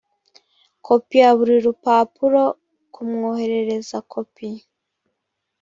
kopi ya buri rupapuro kumwoherereza kopi